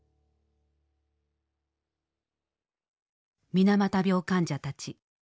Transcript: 水俣病患者たち